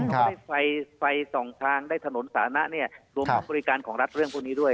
ก็ได้ไฟสองทางได้ถนนสานะเนี่ยรวมทั้งบริการของรัฐเรื่องพวกนี้ด้วย